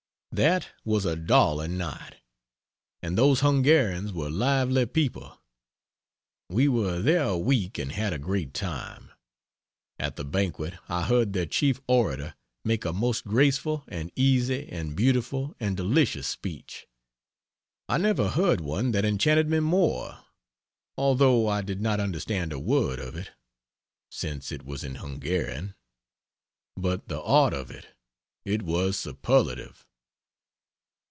That was a darling night, and those Hungarians were lively people. We were there a week and had a great time. At the banquet I heard their chief orator make a most graceful and easy and beautiful and delicious speech I never heard one that enchanted me more although I did not understand a word of it, since it was in Hungarian. But the art of it! it was superlative.